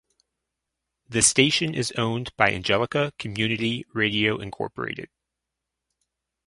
The station is owned by Angelica Community Radio Inc.